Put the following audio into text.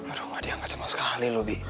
aduh gak diangkat sama sekali loh bi